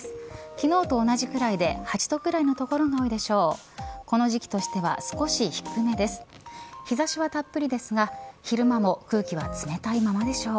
昨日と同じくらいで８度くらいの所が多いでしょう。